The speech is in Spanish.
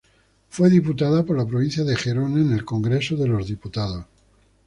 Fue diputada por la provincia de Gerona en el Congreso de los Diputados.